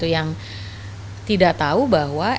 yang tidak tahu bahwa